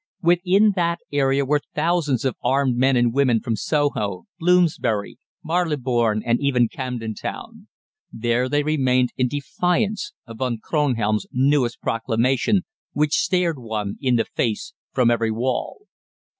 "Within that area were thousands of armed men and women from Soho, Bloomsbury, Marylebone, and even from Camden Town. There they remained in defiance of Von Kronhelm's newest proclamation, which stared one in the face from every wall."